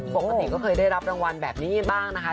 ปกติก็เคยได้รับรางวัลแบบนี้บ้างนะคะ